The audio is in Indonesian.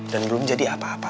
dan belum jadi apa apa